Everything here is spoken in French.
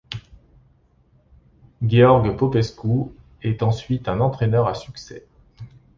Gheorghe Popescu est ensuite un entraîneur à succès.